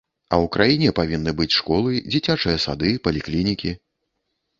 А ў краіне павінны быць школы, дзіцячыя сады, паліклінікі.